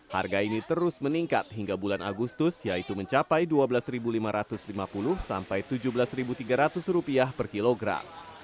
harga ini terus meningkat hingga bulan agustus yaitu mencapai rp dua belas lima ratus lima puluh sampai rp tujuh belas tiga ratus per kilogram